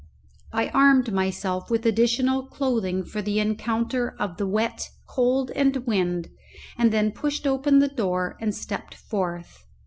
I armed myself with additional clothing for the encounter of the wet, cold, and wind, and then pushed open the door and stepped forth.